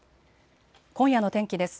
今夜の天気です。